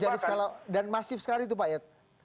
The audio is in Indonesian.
dan itu terjadi dan masif sekali itu pak ya